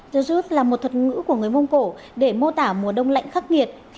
tujut là một thuật ngữ của người mông cổ để mô tả mùa đông lạnh khắc nghiệt